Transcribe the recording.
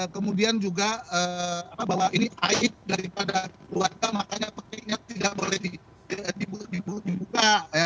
kemudian juga bahwa ini aib daripada keluarga makanya pengennya tidak boleh dibuka